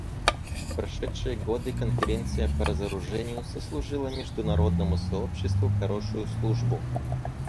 В прошедшие годы Конференция по разоружению сослужила международному сообществу хорошую службу.